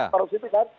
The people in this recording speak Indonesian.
korupsi itu kan